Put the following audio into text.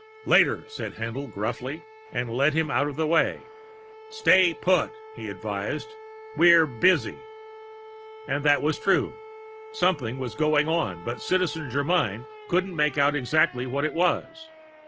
"Later," said Haendl gruffly, and led him out of the way. "Stay put," he advised. "We're busy." And that was true. Something was going on, but Citizen Germyn couldn't make out exactly what it was.